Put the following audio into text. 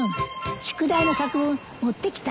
宿題の作文持ってきた？